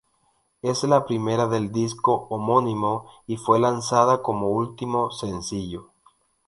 Es la primera del disco "homónimo" y fue lanzada como último sencillo.